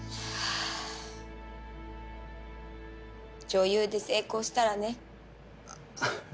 女優で成功したらね。